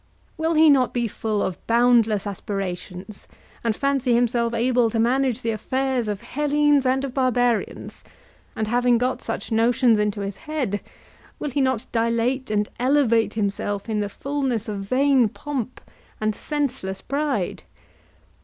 Will he not be full of boundless aspirations, and fancy himself able to manage the affairs of Hellenes and of barbarians, and having got such notions into his head will he not dilate and elevate himself in the fulness of vain pomp and senseless pride?